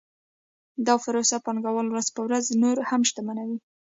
دا پروسه پانګوال ورځ په ورځ نور هم شتمنوي